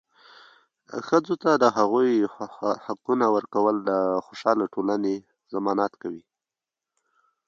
ښځو ته د هغوي حقونه ورکول د خوشحاله ټولنې ضمانت کوي.